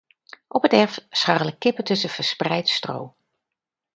Op het erf scharrelen kippen tussen verspreid stro.